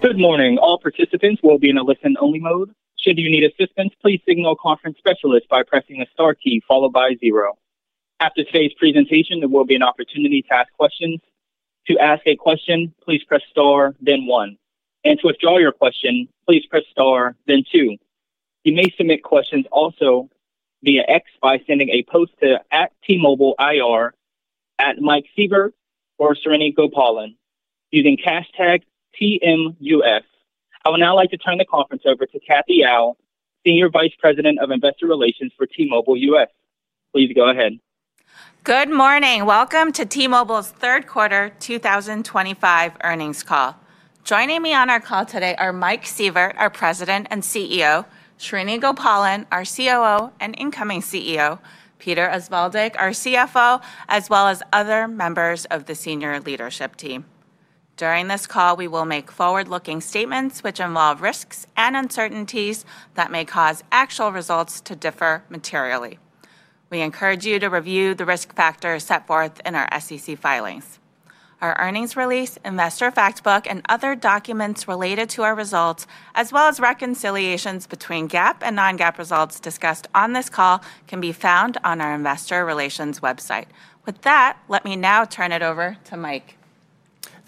Good morning. All participants will be in a listen-only mode. Should you need assistance, please signal a conference specialist by pressing the star key followed by zero. After today's presentation, there will be an opportunity to ask questions. To ask a question, please press star, then one. To withdraw your question, please press star, then two. You may submit questions also via X by sending a post to @TMobileIR, @MikeSievert, or @SriniGopalan using #TMUS. I would now like to turn the conference over to Cathy Yao, Senior Vice President of Investor Relations for T-Mobile US. Please go ahead. Good morning. Welcome to T-Mobile's third quarter 2025 earnings call. Joining me on our call today are Mike Sievert, our President and CEO, Srini Gopalan, our COO and incoming CEO, Peter Osvaldik, our CFO, as well as other members of the senior leadership team. During this call, we will make forward-looking statements which involve risks and uncertainties that may cause actual results to differ materially. We encourage you to review the Risk Factors set forth in our SEC filings. Our earnings release, investor fact book, and other documents related to our results, as well as reconciliations between GAAP and non-GAAP results discussed on this call, can be found on our Investor Relations website. With that, let me now turn it over to Mike.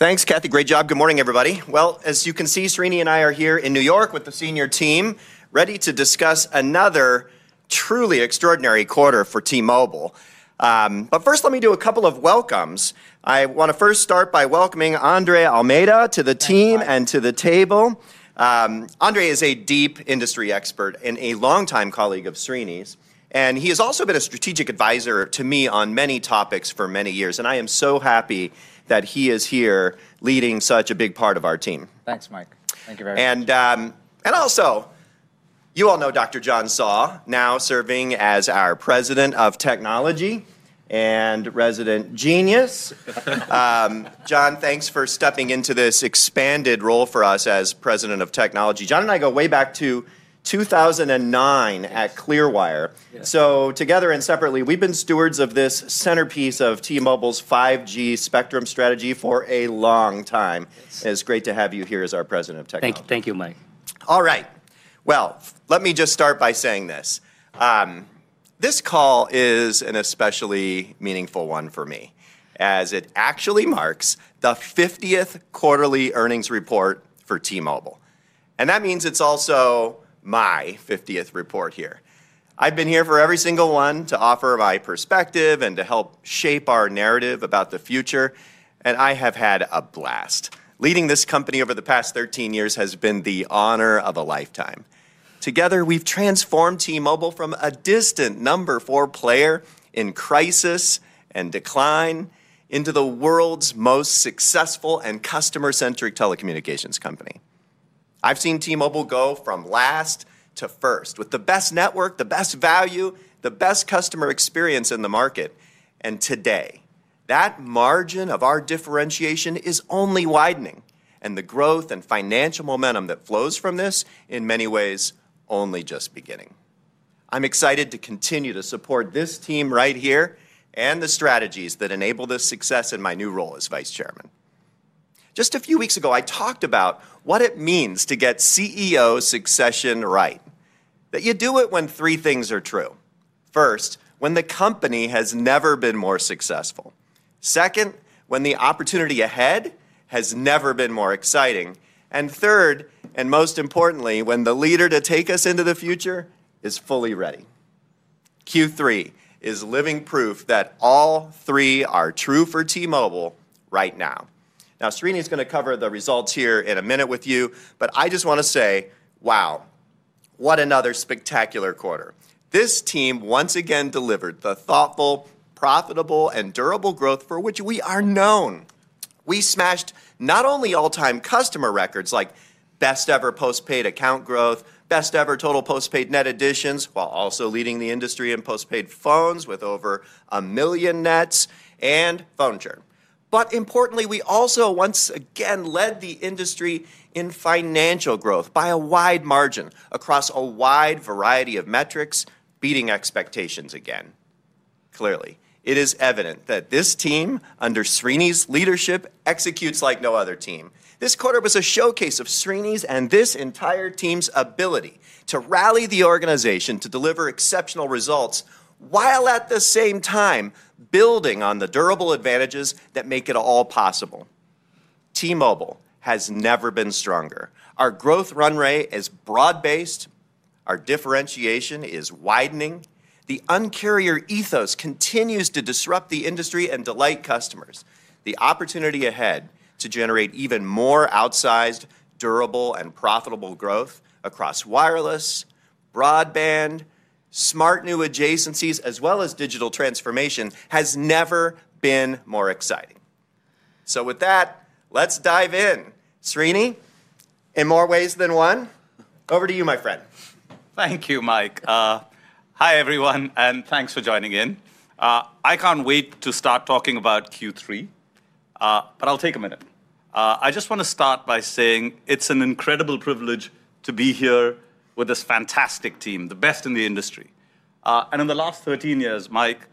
Thanks, Cathy. Great job. Good morning, everybody. As you can see, Srini and I are here in New York with the senior team ready to discuss another truly extraordinary quarter for T-Mobile. First, let me do a couple of welcomes. I want to first start by welcoming André Almeida to the team and to the table. André is a deep industry expert and a longtime colleague of Srini's, and he has also been a strategic advisor to me on many topics for many years. I am so happy that he is here leading such a big part of our team. Thanks, Mike. Thank you very much. You all know Dr. John Saw, now serving as our President of Technology and resident genius. John, thanks for stepping into this expanded role for us as President of Technology. John and I go way back to 2009 at Clearwire. Together and separately, we've been stewards of this centerpiece of T-Mobile's 5G spectrum strategy for a long time. It's great to have you here as our President of Technology. Thank you, Mike. All right. Let me just start by saying this. This call is an especially meaningful one for me, as it actually marks the 50th quarterly earnings report for T-Mobile. That means it's also my 50th report here. I've been here for every single one to offer my perspective and to help shape our narrative about the future. I have had a blast. Leading this company over the past 13 years has been the honor of a lifetime. Together, we've transformed T-Mobile from a distant number four player in crisis and decline into the world's most successful and customer-centric telecommunications company. I've seen T-Mobile go from last to first with the best network, the best value, the best customer experience in the market. Today, that margin of our differentiation is only widening, and the growth and financial momentum that flows from this, in many ways, only just beginning. I'm excited to continue to support this team right here and the strategies that enable this success in my new role as Vice Chairman. Just a few weeks ago, I talked about what it means to get CEO succession right, that you do it when three things are true. First, when the company has never been more successful. Second, when the opportunity ahead has never been more exciting. Third, and most importantly, when the leader to take us into the future is fully ready. Q3 is living proof that all three are true for T-Mobile right now. Now, Srini is going to cover the results here in a minute with you, but I just want to say, wow, what another spectacular quarter. This team once again delivered the thoughtful, profitable, and durable growth for which we are known. We smashed not only all-time customer records like best ever postpaid account growth, best ever total postpaid net additions, while also leading the industry in postpaid phones with over a million nets and phone churn. Importantly, we also once again led the industry in financial growth by a wide margin across a wide variety of metrics, beating expectations again. Clearly, it is evident that this team under Srini's leadership executes like no other team. This quarter was a showcase of Srini's and this entire team's ability to rally the organization to deliver exceptional results while at the same time building on the durable advantages that make it all possible. T-Mobile has never been stronger. Our growth runway is broad-based. Our differentiation is widening. The Un-carrier ethos continues to disrupt the industry and delight customers. The opportunity ahead to generate even more outsized, durable, and profitable growth across wireless, broadband, smart new adjacencies, as well as digital transformation has never been more exciting. With that, let's dive in. Srini, in more ways than one, over to you, my friend. Thank you, Mike. Hi, everyone, and thanks for joining in. I can't wait to start talking about Q3, but I'll take a minute. I just want to start by saying it's an incredible privilege to be here with this fantastic team, the best in the industry. In the last 13 years, Mike,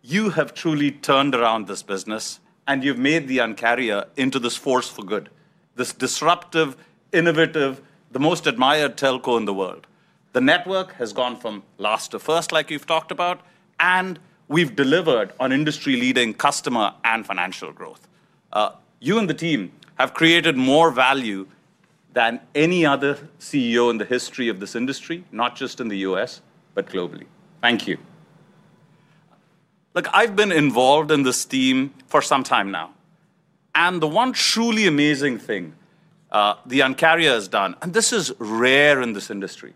you have truly turned around this business, and you've made the Un-carrier into this force for good, this disruptive, innovative, the most admired telco in the world. The network has gone from last to first, like you've talked about, and we've delivered on industry-leading customer and financial growth. You and the team have created more value than any other CEO in the history of this industry, not just in the U.S., but globally. Thank you. I've been involved in this team for some time now. The one truly amazing thing the Un-carrier has done, and this is rare in this industry,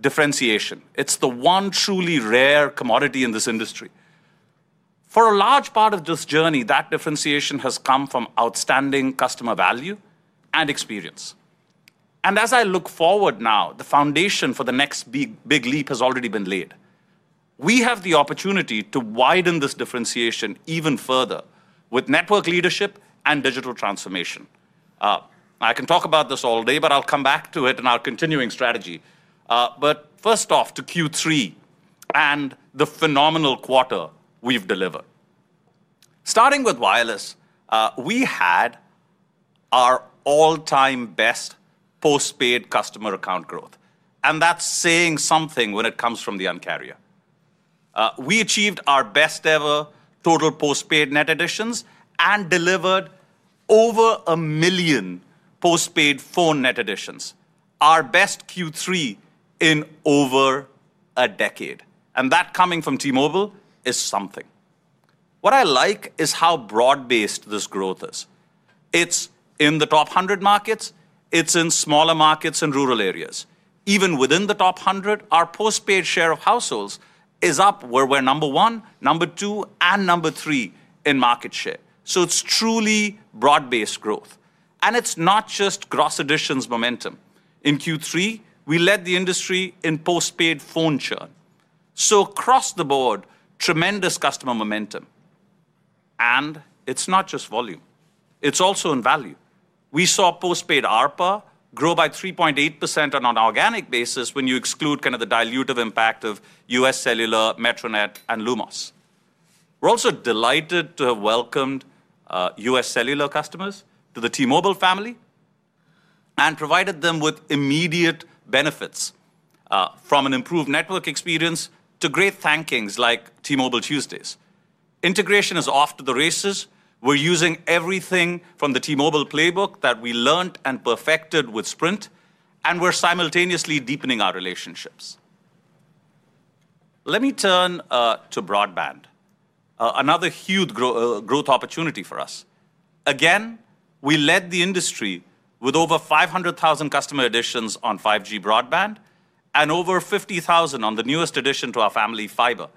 differentiation. It's the one truly rare commodity in this industry. For a large part of this journey, that differentiation has come from outstanding customer value and experience. As I look forward now, the foundation for the next big leap has already been laid. We have the opportunity to widen this differentiation even further with network leadership and digital transformation. I can talk about this all day, but I'll come back to it in our continuing strategy. First off, to Q3 and the phenomenal quarter we've delivered. Starting with wireless, we had our all-time best postpaid customer account growth. That's saying something when it comes from the Un-carrier. We achieved our best ever total postpaid net additions and delivered over a million postpaid phone net additions, our best Q3 in over a decade. That coming from T-Mobile is something. What I like is how broad-based this growth is. It's in the top 100 markets. It's in smaller markets and rural areas. Even within the top 100, our postpaid share of households is up where we're number one, number two, and number three in market share. It's truly broad-based growth. It's not just gross additions momentum. In Q3, we led the industry in postpaid phone churn. Across the board, tremendous customer momentum. It's not just volume. It's also in value. We saw postpaid ARPA grow by 3.8% on an organic basis when you exclude kind of the dilutive impact of UScellular, Metronet, and Lumos. We're also delighted to have welcomed UScellular customers to the T-Mobile family and provided them with immediate benefits, from an improved network experience to great things like T-Mobile Tuesdays. Integration is off to the races. We're using everything from the T-Mobile playbook that we learned and perfected with Sprint, and we're simultaneously deepening our relationships. Let me turn to broadband, another huge growth opportunity for us. Again, we led the industry with over 500,000 customer additions on 5G broadband and over 50,000 on the newest addition to our family, fiber.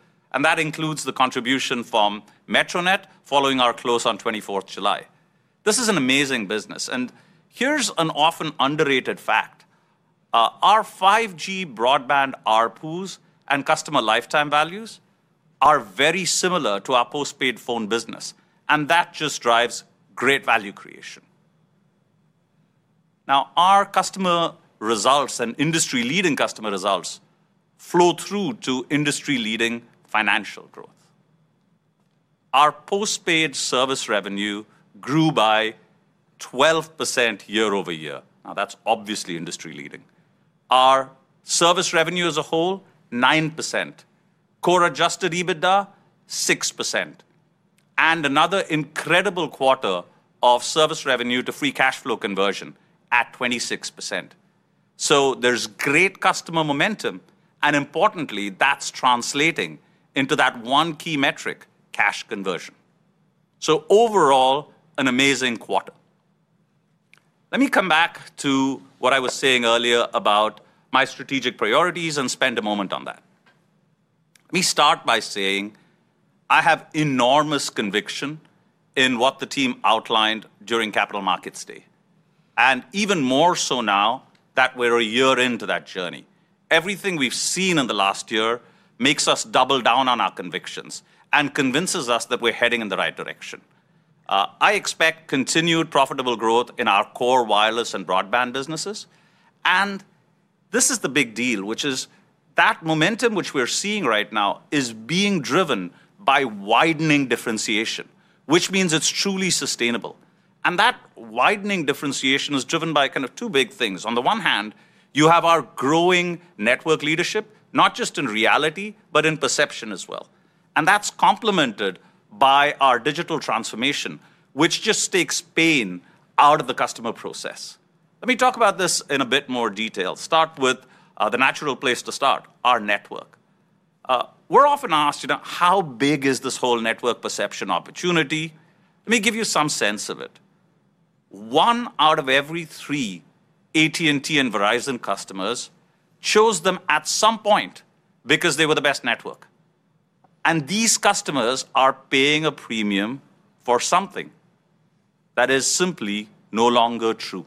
That includes the contribution from Metronet following our close on 24 of July. This is an amazing business. Here's an often underrated fact. Our 5G broadband ARPUs and customer lifetime values are very similar to our postpaid phone business. That just drives great value creation. Now, our customer results and industry-leading customer results flow through to industry-leading financial growth. Our postpaid service revenue grew by 12% year-over-year. That's obviously industry-leading. Our service revenue as a whole, 9%. Core adjusted EBITDA, 6%. Another incredible quarter of service revenue to free cash flow conversion at 26%. There's great customer momentum. Importantly, that's translating into that one key metric, cash conversion. Overall, an amazing quarter. Let me come back to what I was saying earlier about my strategic priorities and spend a moment on that. Let me start by saying I have enormous conviction in what the team outlined during Capital Markets Day. Even more so now that we're a year into that journey. Everything we've seen in the last year makes us double down on our convictions and convinces us that we're heading in the right direction. I expect continued profitable growth in our core wireless and broadband businesses. This is the big deal, which is that momentum which we're seeing right now is being driven by widening differentiation, which means it's truly sustainable. That widening differentiation is driven by kind of two big things. On the one hand, you have our growing network leadership, not just in reality, but in perception as well. That's complemented by our digital transformation, which just takes pain out of the customer process. Let me talk about this in a bit more detail. Start with the natural place to start, our network. We're often asked, how big is this whole network perception opportunity? Let me give you some sense of it. One out of every three AT&T and Verizon customers chose them at some point because they were the best network. These customers are paying a premium for something that is simply no longer true.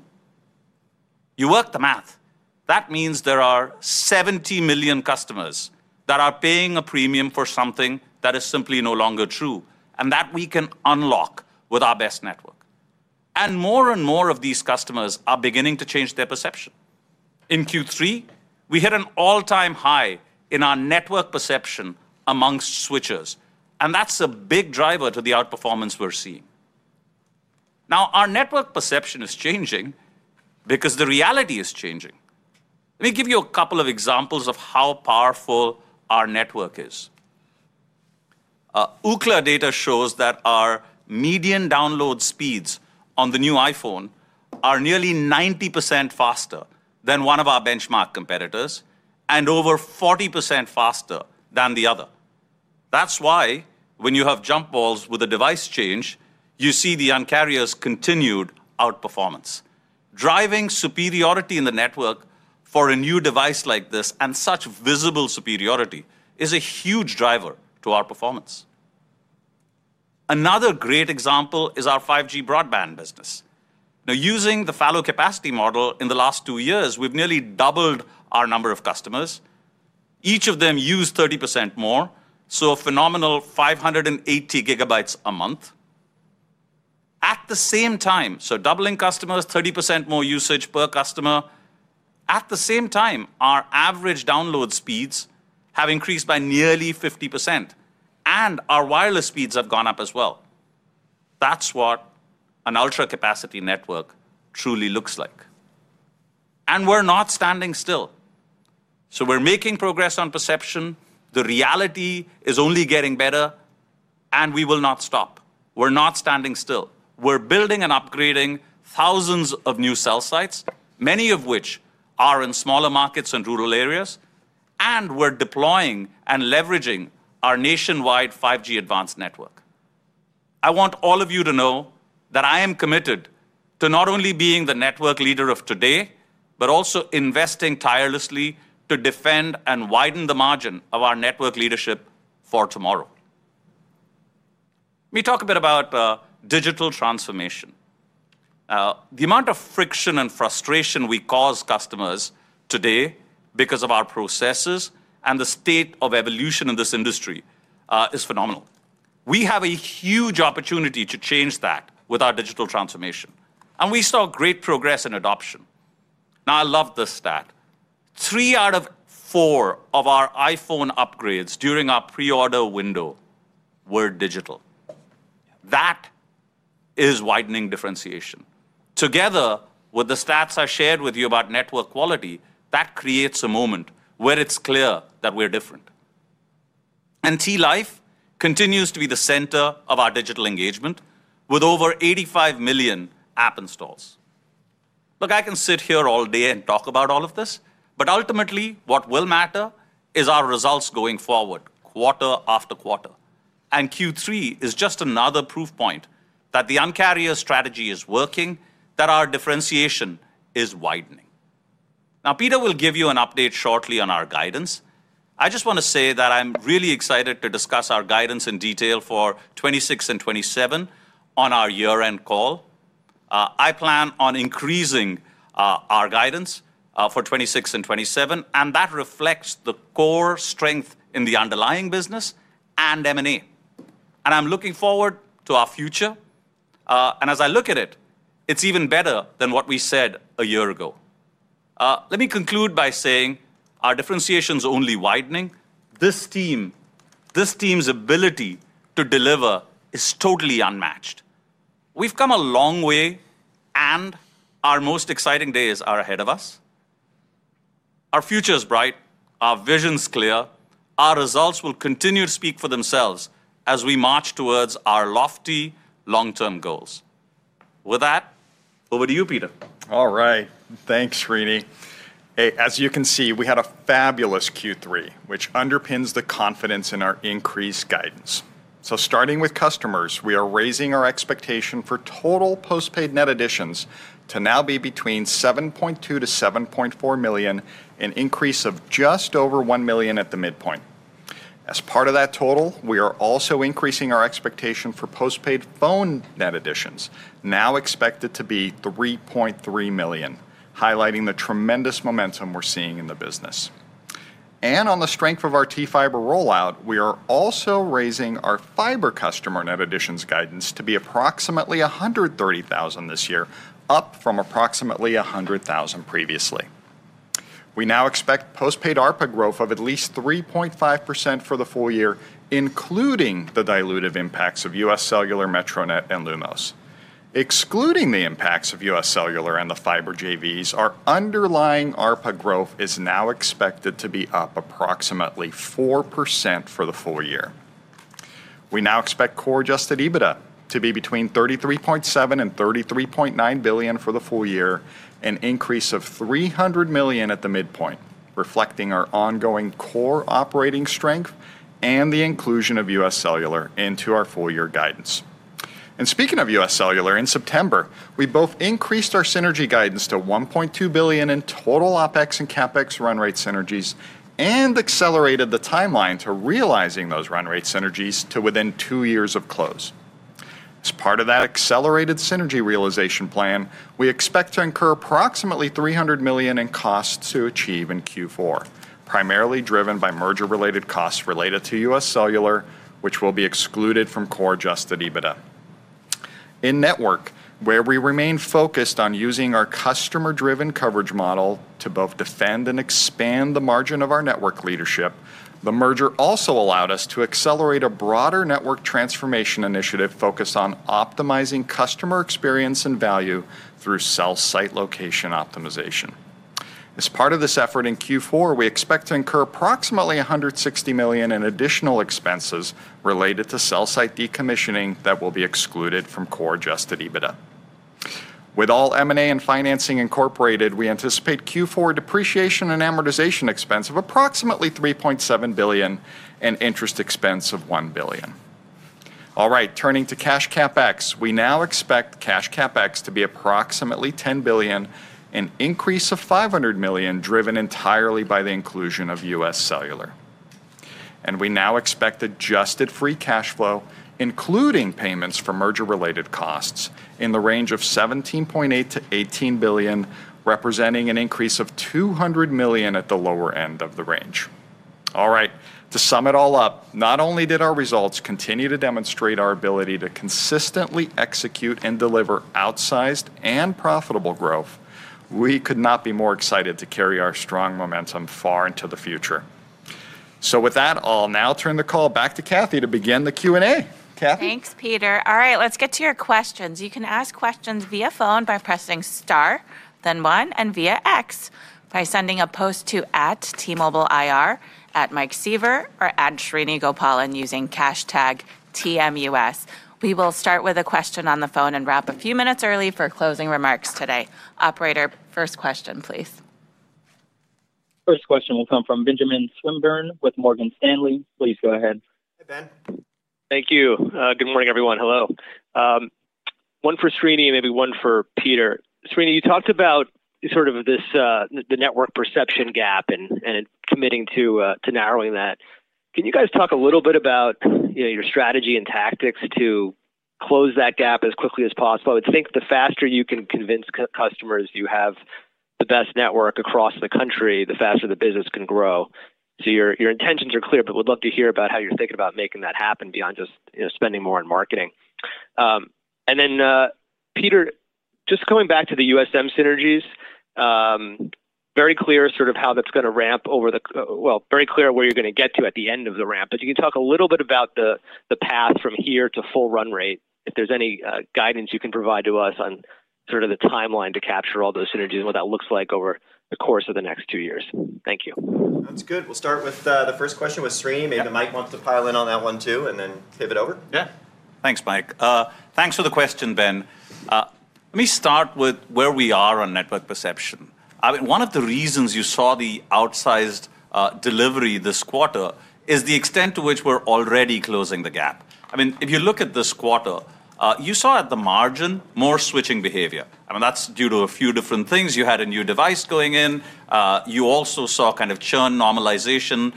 You work the math. That means there are 70 million customers that are paying a premium for something that is simply no longer true and that we can unlock with our best network. More and more of these customers are beginning to change their perception. In Q3, we hit an all-time high in our network perception amongst switchers. That's a big driver to the outperformance we're seeing. Our network perception is changing because the reality is changing. Let me give you a couple of examples of how powerful our network is. Ookla data shows that our median download speeds on the new iPhone are nearly 90% faster than one of our benchmark competitors and over 40% faster than the other. That's why when you have jump balls with a device change, you see the Un-carrier's continued outperformance. Driving superiority in the network for a new device like this and such visible superiority is a huge driver to our performance. Another great example is our 5G broadband business. Using the fallow capacity model in the last two years, we've nearly doubled our number of customers. Each of them used 30% more, so a phenomenal 580 GB a month. At the same time, doubling customers, 30% more usage per customer. At the same time, our average download speeds have increased by nearly 50%. Our wireless speeds have gone up as well. That's what an ultra-capacity network truly looks like. We're not standing still. We're making progress on perception. The reality is only getting better. We will not stop. We're not standing still. We're building and upgrading thousands of new cell sites, many of which are in smaller markets and rural areas. We're deploying and leveraging our nationwide 5G Advanced network. I want all of you to know that I am committed to not only being the network leader of today, but also investing tirelessly to defend and widen the margin of our network leadership for tomorrow. Let me talk a bit about digital transformation. The amount of friction and frustration we cause customers today because of our processes and the state of evolution in this industry is phenomenal. We have a huge opportunity to change that with our digital transformation. We saw great progress in adoption. Now, I love this stat. Three out of four of our iPhone upgrades during our pre-order window were digital. That is widening differentiation. Together with the stats I shared with you about network quality, that creates a moment where it's clear that we're different. T-Life continues to be the center of our digital engagement with over 85 million app installs. I can sit here all day and talk about all of this. Ultimately, what will matter is our results going forward quarter after quarter. Q3 is just another proof point that the Un-carrier strategy is working, that our differentiation is widening. Peter will give you an update shortly on our guidance. I just want to say that I'm really excited to discuss our guidance in detail for 2026 and 2027 on our year-end call. I plan on increasing our guidance for 2026 and 2027, and that reflects the core strength in the underlying business and M&A. I'm looking forward to our future. As I look at it, it's even better than what we said a year ago. Let me conclude by saying our differentiation is only widening. This team, this team's ability to deliver is totally unmatched. We've come a long way, and our most exciting days are ahead of us. Our future is bright. Our vision is clear. Our results will continue to speak for themselves as we march towards our lofty long-term goals. With that, over to you, Peter. All right. Thanks, Srini. As you can see, we had a fabulous Q3, which underpins the confidence in our increased guidance. Starting with customers, we are raising our expectation for total postpaid net additions to now be between 7.2 million-7.4 million, an increase of just over 1 million at the midpoint. As part of that total, we are also increasing our expectation for postpaid phone net additions, now expected to be 3.3 million, highlighting the tremendous momentum we're seeing in the business. On the strength of our T-Fiber rollout, we are also raising our fiber customer net additions guidance to be approximately 130,000 this year, up from approximately 100,000 previously. We now expect postpaid ARPA growth of at least 3.5% for the full year, including the dilutive impacts of UScellular, Metronet, and Lumos. Excluding the impacts of UScellular and the fiber JVs, our underlying ARPA growth is now expected to be up approximately 4% for the full year. We now expect core adjusted EBITDA to be between $33.7 billion and $33.9 billion for the full year, an increase of $300 million at the midpoint, reflecting our ongoing core operating strength and the inclusion of UScellular into our full-year guidance. Speaking of UScellular, in September, we both increased our synergy guidance to $1.2 billion in total OpEx and CapEx run-rate synergies and accelerated the timeline to realizing those run-rate synergies to within two years of close. As part of that accelerated synergy realization plan, we expect to incur approximately $300 million in costs to achieve in Q4, primarily driven by merger-related costs related to UScellular, which will be excluded from core adjusted EBITDA. In network, where we remain focused on using our customer-driven coverage model to both defend and expand the margin of our network leadership, the merger also allowed us to accelerate a broader network transformation initiative focused on optimizing customer experience and value through cell site location optimization. As part of this effort in Q4, we expect to incur approximately $160 million in additional expenses related to cell site decommissioning that will be excluded from core adjusted EBITDA. With all M&A and financing incorporated, we anticipate Q4 depreciation and amortization expense of approximately $3.7 billion and interest expense of $1 billion. Turning to cash CapEx, we now expect cash CapEx to be approximately $10 billion, an increase of $500 million driven entirely by the inclusion of UScellular. We now expect adjusted free cash flow, including payments for merger-related costs, in the range of $17.8 billion-$18 billion, representing an increase of $200 million at the lower end of the range. To sum it all up, not only did our results continue to demonstrate our ability to consistently execute and deliver outsized and profitable growth, we could not be more excited to carry our strong momentum far into the future. With that, I'll now turn the call back to Cathy to begin the Q&A. Cathy? Thanks, Peter. All right, let's get to your questions. You can ask questions via phone by pressing star, then one, and via X by sending a post to @TMobileIR, @MikeSievert, or @SriniGopalan using #TMUS. We will start with a question on the phone and wrap a few minutes early for closing remarks today. Operator, first question, please. First question will come from Benjamin Swinburne with Morgan Stanley. Please go ahead. Thank you. Good morning, everyone. Hello. One for Srini, maybe one for Peter. Srini, you talked about sort of the network perception gap and committing to narrowing that. Can you guys talk a little bit about your strategy and tactics to close that gap as quickly as possible? I would think the faster you can convince customers you have the best network across the country, the faster the business can grow. Your intentions are clear, but we'd love to hear about how you're thinking about making that happen beyond just spending more on marketing. Peter, just going back to the USM synergies, very clear sort of how that's going to ramp over the, very clear where you're going to get to at the end of the ramp. You can talk a little bit about the path from here to full run rate, if there's any guidance you can provide to us on sort of the timeline to capture all those synergies and what that looks like over the course of the next two years. Thank you. That's good. We'll start with the first question with Srini. Maybe Mike wants to pile in on that one too, and then pivot over. Yeah. Thanks, Mike. Thanks for the question, Ben. Let me start with where we are on network perception. One of the reasons you saw the outsized delivery this quarter is the extent to which we're already closing the gap. If you look at this quarter, you saw at the margin more switching behavior. That's due to a few different things. You had a new device going in. You also saw kind of churn normalization,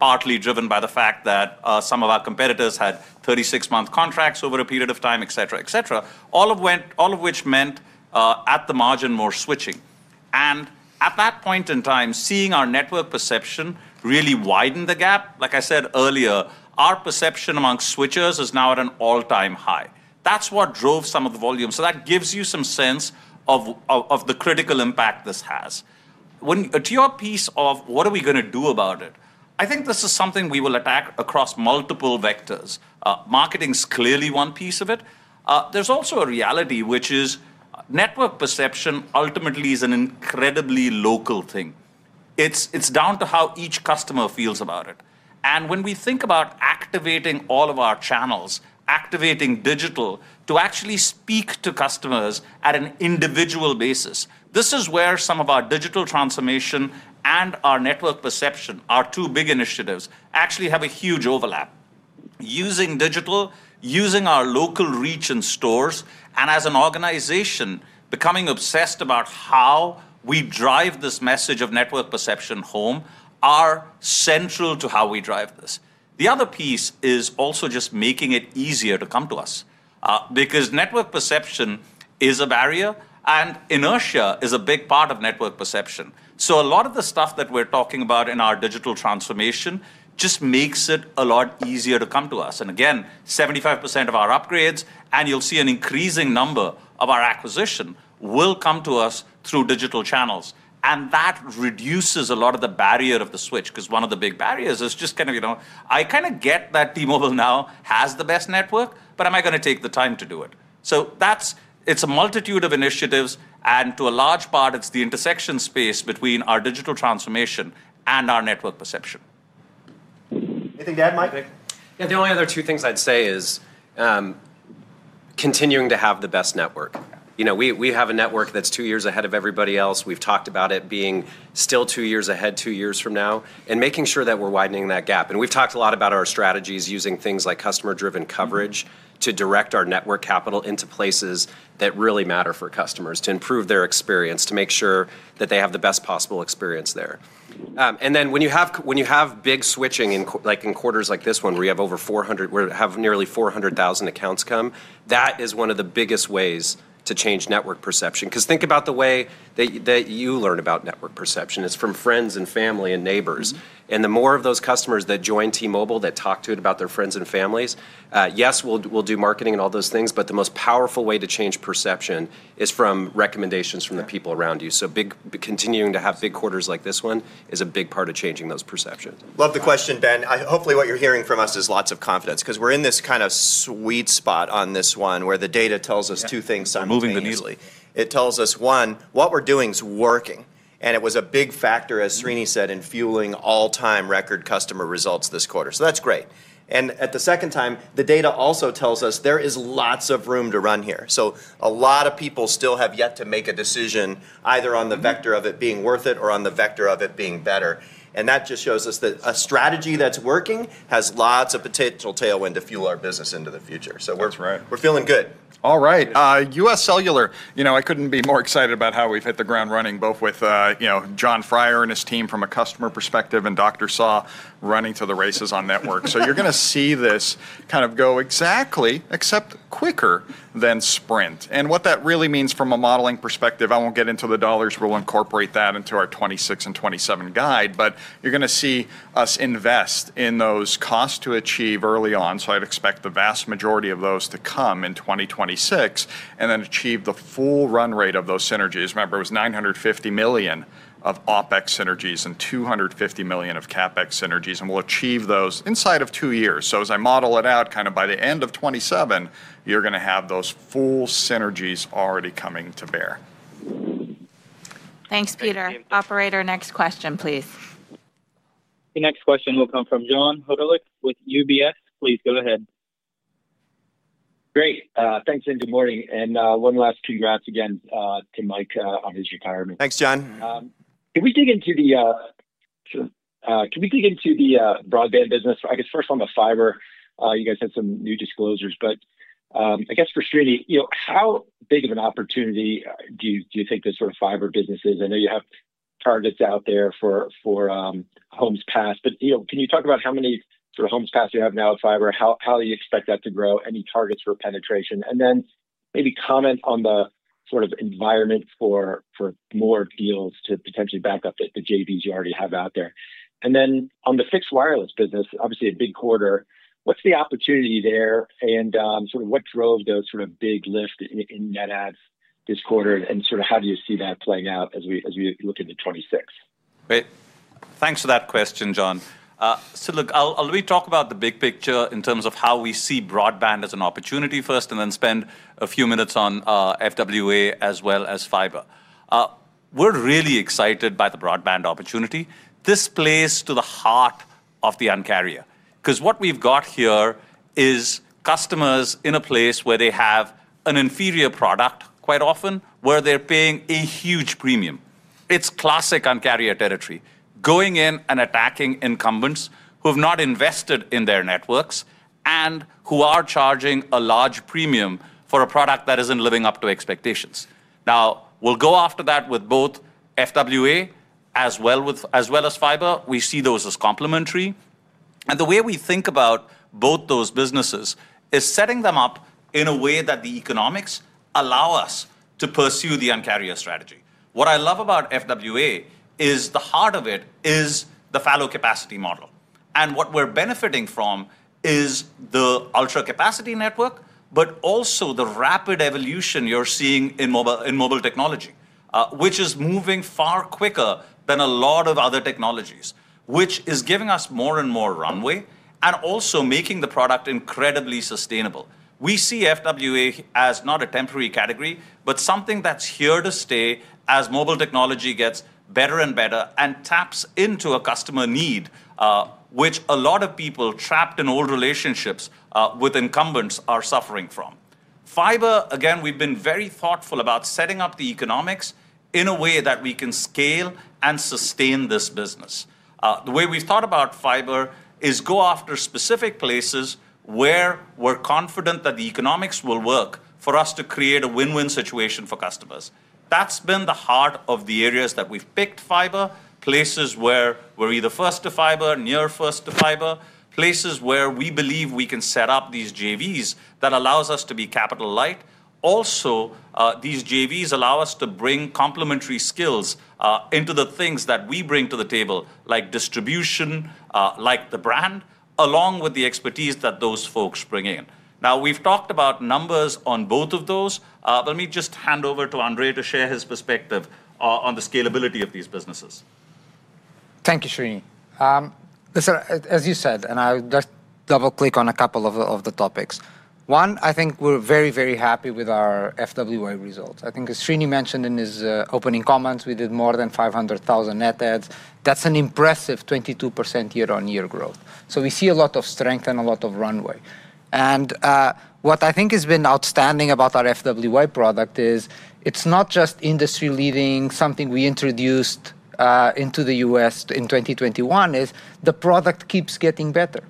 partly driven by the fact that some of our competitors had 36-month contracts over a period of time, et cetera, et cetera, all of which meant at the margin more switching. At that point in time, seeing our network perception really widen the gap. Like I said earlier, our perception among switchers is now at an all-time high. That's what drove some of the volume. That gives you some sense of the critical impact this has. To your piece of what are we going to do about it, I think this is something we will attack across multiple vectors. Marketing is clearly one piece of it. There's also a reality, which is network perception ultimately is an incredibly local thing. It's down to how each customer feels about it. When we think about activating all of our channels, activating digital to actually speak to customers at an individual basis, this is where some of our digital transformation and our network perception, our two big initiatives, actually have a huge overlap. Using digital, using our local reach in stores, and as an organization, becoming obsessed about how we drive this message of network perception home are central to how we drive this. The other piece is also just making it easier to come to us because network perception is a barrier, and inertia is a big part of network perception. A lot of the stuff that we're talking about in our digital transformation just makes it a lot easier to come to us. Again, 75% of our upgrades, and you'll see an increasing number of our acquisition, will come to us through digital channels. That reduces a lot of the barrier of the switch because one of the big barriers is just kind of, you know, I kind of get that T-Mobile now has the best network, but am I going to take the time to do it? It's a multitude of initiatives, and to a large part, it's the intersection space between our digital transformation and our network perception. Anything to add, Mike? The only other two things I'd say are continuing to have the best network. You know, we have a network that's two years ahead of everybody else. We've talked about it being still two years ahead, two years from now, and making sure that we're widening that gap. We've talked a lot about our strategies using things like customer-driven coverage to direct our network capital into places that really matter for customers, to improve their experience, to make sure that they have the best possible experience there. When you have big switching, like in quarters like this one, where you have over 400, we have nearly 400,000 accounts come, that is one of the biggest ways to change network perception. Think about the way that you learn about network perception. It's from friends and family and neighbors. The more of those customers that join T-Mobile, that talk to their friends and families, yes, we'll do marketing and all those things, but the most powerful way to change perception is from recommendations from the people around you. Continuing to have big quarters like this one is a big part of changing those perceptions. Love the question, Ben. Hopefully, what you're hearing from us is lots of confidence because we're in this kind of sweet spot on this one where the data tells us two things simultaneously. We're moving the needle. It tells us, one, what we're doing is working. It was a big factor, as Srini said, in fueling all-time record customer results this quarter. That's great. At the same time, the data also tells us there is lots of room to run here. A lot of people still have yet to make a decision either on the vector of it being worth it or on the vector of it being better. That just shows us that a strategy that's working has lots of potential tailwind to fuel our business into the future. We're feeling good. All right. UScellular, you know, I couldn't be more excited about how we've hit the ground running both with Jon Freier and his team from a customer perspective and Dr. John Saw running to the races on network. You're going to see this kind of go exactly except quicker than Sprint. What that really means from a modeling perspective, I won't get into the dollars. We'll incorporate that into our 2026 and 2027 guide. You're going to see us invest in those costs to achieve early on. I'd expect the vast majority of those to come in 2026 and then achieve the full run rate of those synergies. Remember, it was $950 million of OpEx synergies and $250 million of CapEx synergies. We'll achieve those inside of two years. As I model it out, kind of by the end of 2027, you're going to have those full synergies already coming to bear. Thanks, Peter. Operator, next question, please. The next question will come from John Hodulik with UBS. Please go ahead. Great. Thanks, and good morning. One last congrats again to Mike on his retirement. Thanks, John. Can we dig into the broadband business? I guess first on the fiber, you guys had some new disclosures. For Srini, how big of an opportunity do you think this sort of fiber business is? I know you have targets out there for homes passed. Can you talk about how many sort of homes passed you have now with fiber? How do you expect that to grow? Any targets for penetration? Maybe comment on the sort of environment for more deals to potentially back up the JVs you already have out there. On the fixed wireless business, obviously a big quarter. What's the opportunity there? What drove those sort of big lifts in net adds this quarter? How do you see that playing out as we look into 2026? Great. Thanks for that question, John. I'll really talk about the big picture in terms of how we see broadband as an opportunity first and then spend a few minutes on FWA as well as fiber. We're really excited by the broadband opportunity. This plays to the heart of the Un-carrier. What we've got here is customers in a place where they have an inferior product quite often, where they're paying a huge premium. It's classic Un-carrier territory, going in and attacking incumbents who have not invested in their networks and who are charging a large premium for a product that isn't living up to expectations. We'll go after that with both FWA as well as fiber. We see those as complementary. The way we think about both those businesses is setting them up in a way that the economics allow us to pursue the Un-carrier strategy. What I love about FWA is the heart of it is the fallow-capacity model. What we're benefiting from is the ultra-capacity network, but also the rapid evolution you're seeing in mobile technology, which is moving far quicker than a lot of other technologies, which is giving us more and more runway and also making the product incredibly sustainable. We see FWA as not a temporary category, but something that's here to stay as mobile technology gets better and better and taps into a customer need, which a lot of people trapped in old relationships with incumbents are suffering from. Fiber, again, we've been very thoughtful about setting up the economics in a way that we can scale and sustain this business. The way we've thought about fiber is go after specific places where we're confident that the economics will work for us to create a win-win situation for customers. That's been the heart of the areas that we've picked fiber, places where we're either first to fiber, near first to fiber, places where we believe we can set up these JVs that allow us to be capital light. These JVs also allow us to bring complementary skills into the things that we bring to the table, like distribution, like the brand, along with the expertise that those folks bring in. We've talked about numbers on both of those. Let me just hand over to André to share his perspective on the scalability of these businesses. Thank you, Srini. As you said, I would just double-click on a couple of the topics. One, I think we're very, very happy with our FWA results. I think, as Srini mentioned in his opening comments, we did more than 500,000 net additions. That's an impressive 22% year-on-year growth. We see a lot of strength and a lot of runway. What I think has been outstanding about our FWA product is it's not just industry-leading, something we introduced into the U.S. in 2021, the product keeps getting better.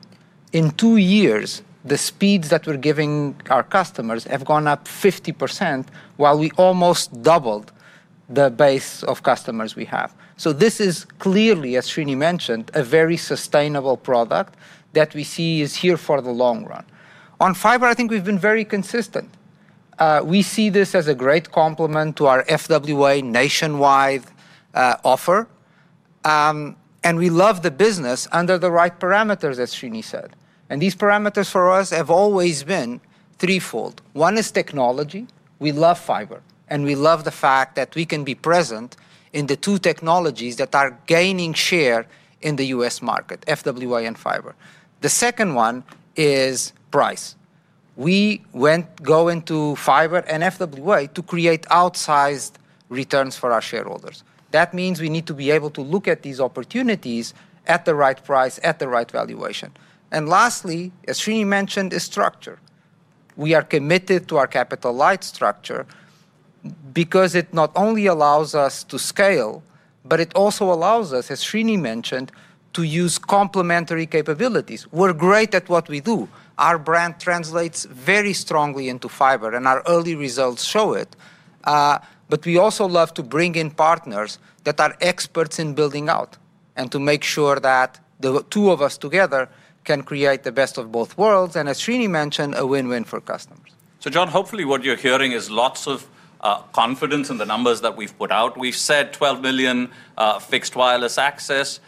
In two years, the speeds that we're giving our customers have gone up 50% while we almost doubled the base of customers we have. This is clearly, as Srini mentioned, a very sustainable product that we see is here for the long run. On fiber, I think we've been very consistent. We see this as a great complement to our FWA nationwide offer. We love the business under the right parameters, as Srini said. These parameters for us have always been threefold. One is technology. We love fiber. We love the fact that we can be present in the two technologies that are gaining share in the U.S. market, FWA and fiber. The second one is price. We go into fiber and FWA to create outsized returns for our shareholders. That means we need to be able to look at these opportunities at the right price, at the right valuation. Lastly, as Srini mentioned, is structure. We are committed to our capital light structure because it not only allows us to scale, it also allows us, as Srini mentioned, to use complementary capabilities. We're great at what we do. Our brand translates very strongly into fiber, and our early results show it. We also love to bring in partners that are experts in building out and to make sure that the two of us together can create the best of both worlds. As Srini mentioned, a win-win for customers. John, hopefully what you're hearing is lots of confidence in the numbers that we've put out. We've said 12 million fixed wireless access.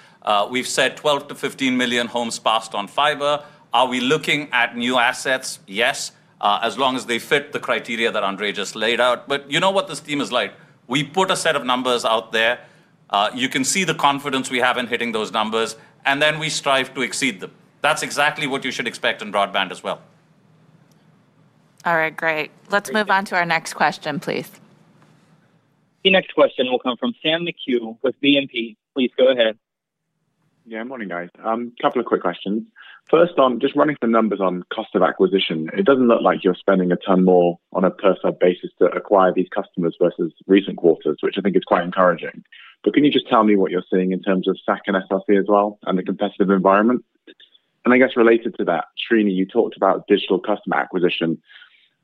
We've said 12 million-15 million homes passed on fiber. Are we looking at new assets? Yes, as long as they fit the criteria that Andre just laid out. You know what this team is like. We put a set of numbers out there. You can see the confidence we have in hitting those numbers, and then we strive to exceed them. That's exactly what you should expect in broadband as well. All right, great. Let's move on to our next question, please. The next question will come from Sam McHugh with BNP. Please go ahead. Yeah, good morning, guys. A couple of quick questions. First, I'm just running some numbers on cost of acquisition. It doesn't look like you're spending a ton more on a per-sub basis to acquire these customers versus recent quarters, which I think is quite encouraging. Can you just tell me what you're seeing in terms of SAC and SLC as well and the competitive environment? I guess related to that, Srini, you talked about digital customer acquisition.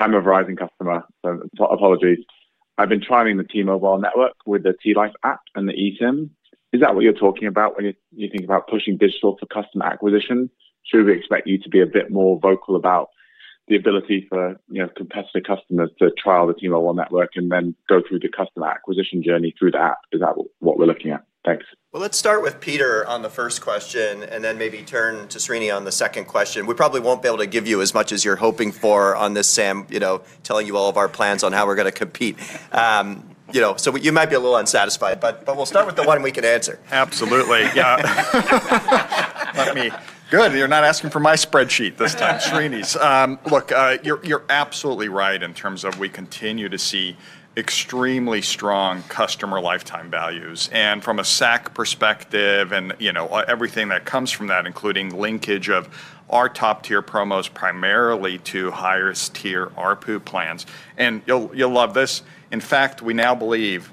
I'm a Verizon customer, so apologies. I've been trialing the T-Mobile network with the T-Life app and the eSIM. Is that what you're talking about when you think about pushing digital for customer acquisition? Should we expect you to be a bit more vocal about the ability for competitive customers to trial the T-Mobile network and then go through the customer acquisition journey through the app? Is that what we're looking at? Thanks. Let's start with Peter on the first question and then maybe turn to Srini on the second question. We probably won't be able to give you as much as you're hoping for on this, Sam, telling you all of our plans on how we're going to compete. You might be a little unsatisfied, but we'll start with the one we can answer. Absolutely. Yeah. Good. You're not asking for my spreadsheet this time, Srini's. Look, you're absolutely right in terms of we continue to see extremely strong customer lifetime values. From a SAC perspective and everything that comes from that, including linkage of our top-tier promos primarily to highest-tier ARPU plans, you'll love this. In fact, we now believe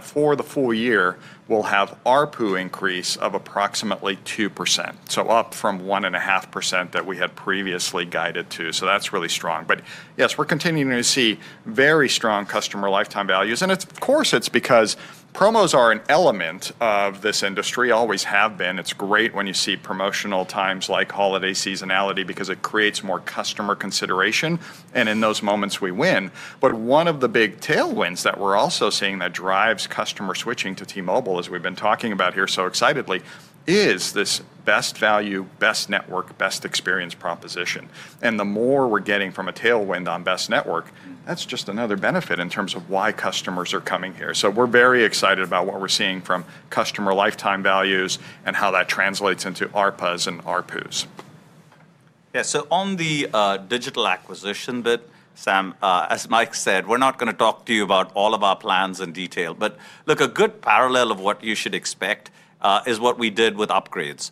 for the full year, we'll have ARPU increase of approximately 2%. Up from 1.5% that we had previously guided to. That's really strong. Yes, we're continuing to see very strong customer lifetime values. Of course, it's because promos are an element of this industry, always have been. It's great when you see promotional times like holiday seasonality because it creates more customer consideration. In those moments, we win. One of the big tailwinds that we're also seeing that drives customer switching to T-Mobile, as we've been talking about here so excitedly, is this best value, best network, best experience proposition. The more we're getting from a tailwind on best network, that's just another benefit in terms of why customers are coming here. We're very excited about what we're seeing from customer lifetime values and how that translates into ARPAs and ARPUs. Yeah, on the digital acquisition bit, Sam, as Mike said, we're not going to talk to you about all of our plans in detail. A good parallel of what you should expect is what we did with upgrades.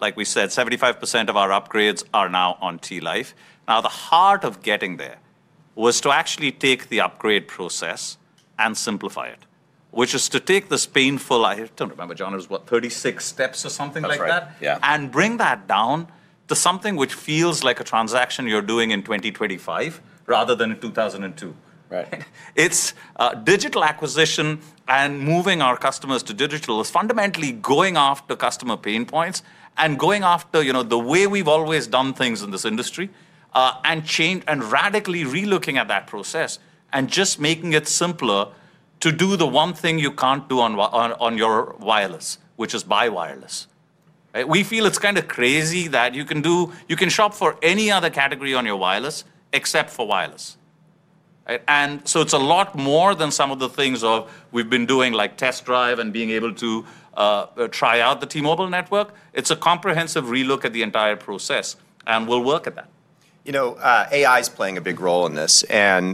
Like we said, 75% of our upgrades are now on T-Life. The heart of getting there was to actually take the upgrade process and simplify it, which is to take this painful, I don't remember, John, it was what, 36 steps or something like that, and bring that down to something which feels like a transaction you're doing in 2025 rather than in 2002. Right. Digital acquisition and moving our customers to digital is fundamentally going after customer pain points and going after the way we've always done things in this industry, changed and radically relooking at that process, and just making it simpler to do the one thing you can't do on your wireless, which is buy wireless. We feel it's kind of crazy that you can shop for any other category on your wireless except for wireless. It's a lot more than some of the things we've been doing like Test Drive and being able to try out the T-Mobile network. It's a comprehensive relook at the entire process, and we'll work at that. AI is playing a big role in this.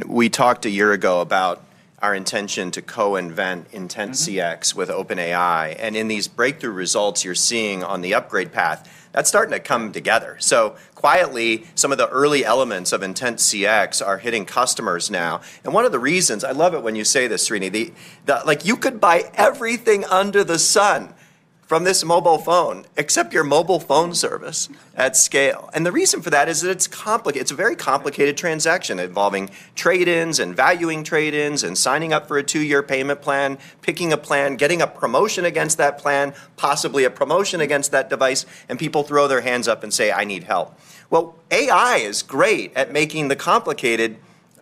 We talked a year ago about our intention to co-invent IntentCX with OpenAI. In these breakthrough results you're seeing on the upgrade path, that's starting to come together. Quietly, some of the early elements of IntentCX are hitting customers now. One of the reasons, I love it when you say this, Srini, like you could buy everything under the sun from this mobile phone except your mobile phone service at scale. The reason for that is that it's complicated. It's a very complicated transaction involving trade-ins and valuing trade-ins and signing up for a two-year payment plan, picking a plan, getting a promotion against that plan, possibly a promotion against that device. People throw their hands up and say, I need help. AI is great at making the complicated